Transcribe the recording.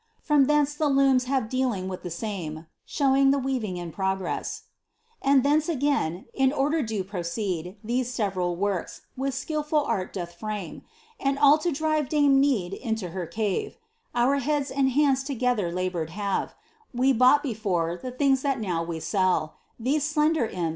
From thence the looms have dealinic with the same ; (Shneing Iht weaving in pngrm) And thence agnin, in order do | proceed These leveral «■o^t^ which ak ilful ait dolh frame ; And ■11 lo drive dame Need in m her a Our beads and hands Kigeiher 1 laboured ■We I KJughl before, the ihiogs ll; we sell. Thes e slender imp!